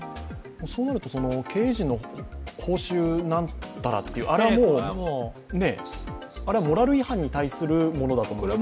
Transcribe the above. そうなると経営陣の報酬なんたらという、あれはモラル違反に対するものだと思いますが。